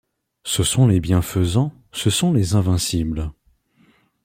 Ce sont les bienfaisants, ce sont les invincibles.